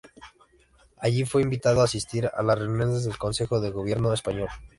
Allí fue invitado a asistir a las reuniones del consejo de gobierno español.